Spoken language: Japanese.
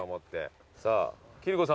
さあ貴理子さんは？